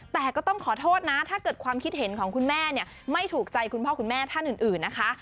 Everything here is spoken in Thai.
แต่ก็ต้องขอโทษนะถ้าเกิดความคิดเห็นของคุณแม่เนี่ยไม่ถูกใจคุณพ่อคุณแม่ท่านอื่นนะคะ